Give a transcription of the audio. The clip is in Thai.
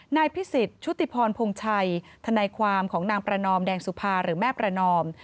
นายพิสิทธิ์ชุติพรพงชัยทนายความของนางประนอมแดงสุภาหรือแม่ประนอม